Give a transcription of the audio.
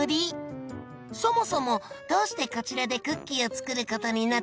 そもそもどうしてこちらでクッキーを作ることになったんですか？